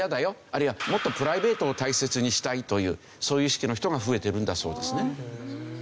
あるいはもっとプライベートを大切にしたいというそういう意識の人が増えているんだそうですね。